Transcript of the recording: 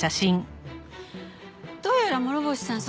どうやら諸星さん